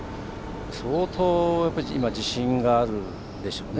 相当、今自信があるんでしょうね。